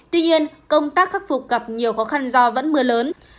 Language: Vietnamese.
tuy nhiên công tác khắc phục gặp nhiều khó khăn do vẫn mưa lớn